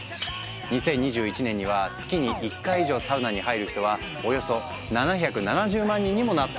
２０２１年には月に１回以上サウナに入る人はおよそ７７０万人にもなっているんだとか。